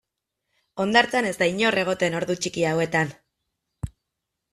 Hondartzan ez da inor egoten ordu txiki hauetan.